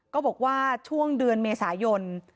บอกว่าช่วงเดือนเมษายน